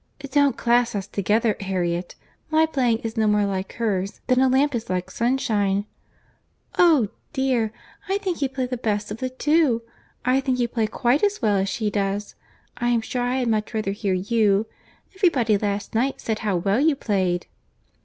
"Don't class us together, Harriet. My playing is no more like her's, than a lamp is like sunshine." "Oh! dear—I think you play the best of the two. I think you play quite as well as she does. I am sure I had much rather hear you. Every body last night said how well you played."